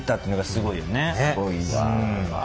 すごいわ。